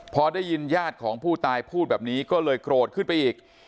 พอได้ยินญาติของผู้ตายพูดแบบนี้ก็เลยโกรธขึ้นไปอีก